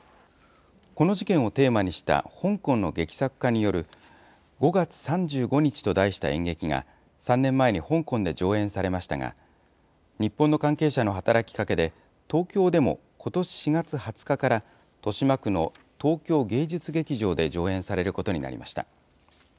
この事件をテーマにした香港の劇作家による５月３５日と題した演劇が、３年前に香港で上演されましたが、日本の関係者の働きかけで、東京でもことし４月２０日から、豊島区の東京芸術劇場で上演されることになりました。